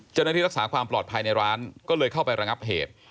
เจ้าหน้าที่รักษาความปลอดภัยในร้านก็เลยเข้าไประงับเหตุ